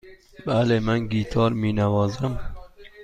بله، من گیتار می نوازم.